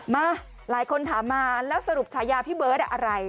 มาหลายคนถามมาแล้วสรุปฉายาพี่เบิร์ตอะไร